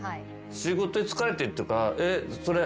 「仕事で疲れてる」って言うから。